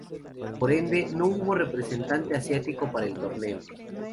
Por ende, no hubo representante asiático para el torneo.